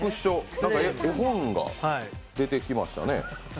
絵本が出てきましたね。